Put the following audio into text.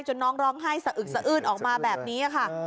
จนน้องร้องไห้สะอึดออกมาแบบนี้ค่ะ